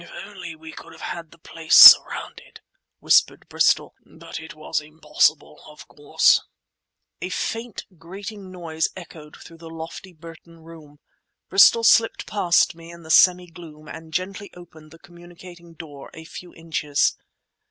"If only we could have had the place surrounded," whispered Bristol—"but it was impossible, of course." A faint grating noise echoed through the lofty Burton Room. Bristol slipped past me in the semi gloom, and gently opened the communicating door a few inches.